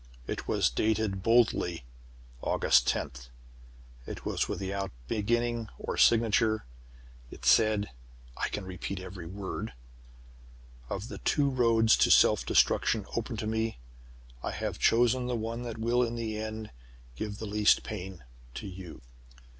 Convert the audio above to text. It was dated boldly 'August tenth.' It was without beginning or signature. It said I can repeat every word 'Of the two roads to self destruction open to me, I have chosen the one that will, in the end, give the least pain to you.